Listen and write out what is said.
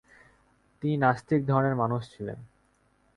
তিনি নাস্তিক ধরনের মানুষ ছিলেন।